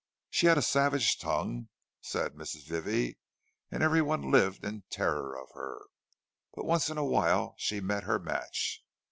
She had a savage tongue, said Mrs. Vivie, and every one lived in terror of her; but once in a while she met her match.